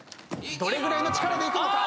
どれぐらいの力でいくのか。